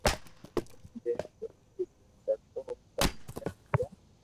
جي چوٽي ڪرتو او ڪنو وھي روپيہ